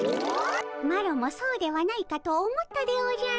マロもそうではないかと思ったでおじゃる。